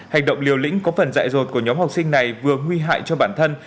hành động liều lĩnh có phần dạy rột của nhóm học sinh này vừa nguy hại cho bản thân